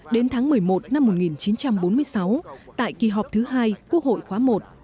đến tháng một mươi một năm một nghìn chín trăm bốn mươi sáu tại kỳ họp thứ hai quốc hội khóa i